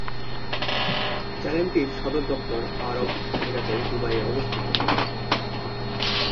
Channel টির সদর দপ্তর আরব আমিরাতের দুবাইয়ে অবস্থিত।